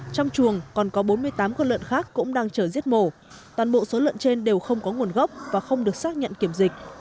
trong chuồng còn có bốn mươi tám con lợn khác cũng đang chở giết mổ toàn bộ số lợn trên đều không có nguồn gốc và không được xác nhận kiểm dịch